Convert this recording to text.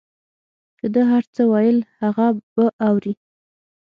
که ده هر څه ویل هغه به اورې.